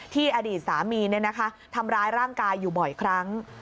ที่อดีตสามีเนี่ยนะคะทำร้ายร่างกายอยู่บ่อยครั้ง